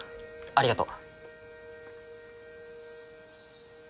ありがと。